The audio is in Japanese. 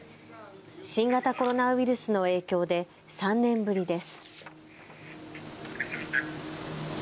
新型コロナウイルスの影響で３年ぶりです。